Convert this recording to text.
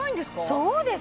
そうです！